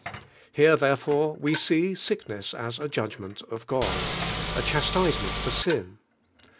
Here, therefore, we wee sickness as f a Judgment of God, a chastisement for sin.